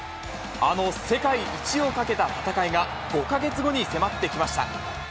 あの世界一をかけた戦いが５か月後に迫ってきました。